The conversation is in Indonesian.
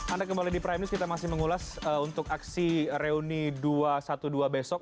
anda kembali di prime news kita masih mengulas untuk aksi reuni dua ratus dua belas besok